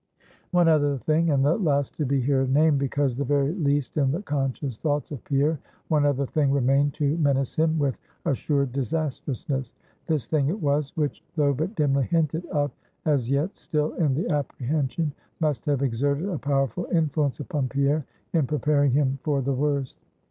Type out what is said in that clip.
One other thing and the last to be here named, because the very least in the conscious thoughts of Pierre; one other thing remained to menace him with assured disastrousness. This thing it was, which though but dimly hinted of as yet, still in the apprehension must have exerted a powerful influence upon Pierre, in preparing him for the worst.